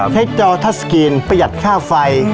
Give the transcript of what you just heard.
จอทัศกรีนประหยัดค่าไฟ